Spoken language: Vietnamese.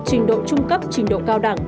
trình độ trung cấp trình độ cao đẳng